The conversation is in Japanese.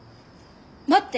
待って。